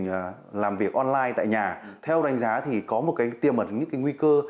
mình làm việc online tại nhà theo đánh giá có tiềm mật những nguy cơ